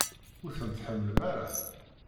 Ur tent-tḥemmlem ara?